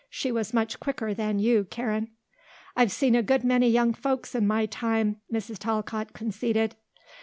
She was much quicker than you, Karen." "I've seen a good many young folks in my time," Mrs. Talcott conceded.